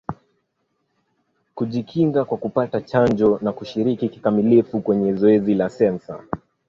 Kujikinga kwa kupata chanjo na kushiriki kikamilifu kwenye zoezi la Sensa